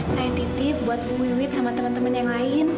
saya titip buat bu wiwit sama teman teman yang lain